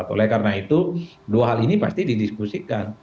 oleh karena itu dua hal ini pasti didiskusikan